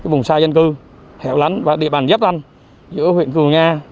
vùng xa dân cư hẻo lắn và địa bàn dấp lăn giữa huyện thường nga